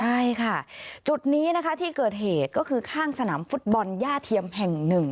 ใช่ค่ะจุดนี้นะคะที่เกิดเหตุก็คือข้างสนามฟุตบอลย่าเทียมแห่งหนึ่ง